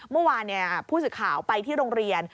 เมื่อวานผู้สื่อข่าวไปที่โรงเรียน